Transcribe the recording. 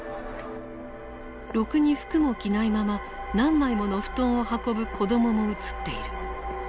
ろくに服も着ないまま何枚もの布団を運ぶ子供も映っている。